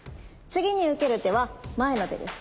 次に受ける手は前の手です。